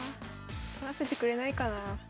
取らせてくれないかな。